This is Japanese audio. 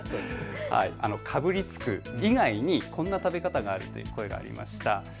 かぶりつく以外にこんな食べ方があるという声がありました。